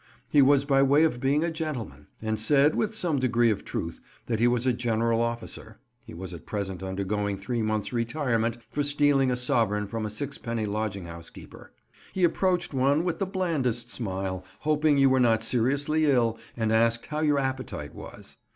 He was by way of being a gentleman, and said, with some degree of truth, that he was a general officer (he was at present undergoing three months' retirement for stealing a sovereign from a sixpenny lodging house keeper). He approached one with the blandest smile, hoped you were not seriously ill, and asked how your appetite was.